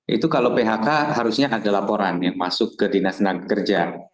itu kalau phk harusnya ada laporan yang masuk ke dinas tenaga kerja